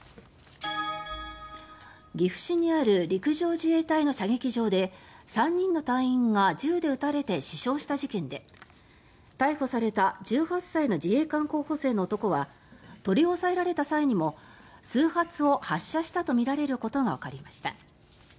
岐阜市にある陸上自衛隊の射撃場で３人の隊員が銃で撃たれて死傷した事件で逮捕された１８歳の自衛官候補生の男は取り押さえられた際にも数発を発射したとみられることがわかりました。